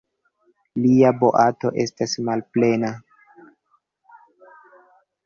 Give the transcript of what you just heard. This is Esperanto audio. Lia boato estas malplena.